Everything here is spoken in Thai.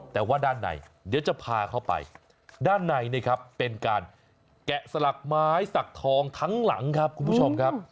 แต่ว่าด้านในเดี๋ยวจะพาเข้าไปด้านในนะครับเป็นการแกะสลักไม้สักทองทั้งหลังครับคุณผู้ชมครับ